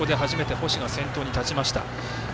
初めて星が先頭に立ちました。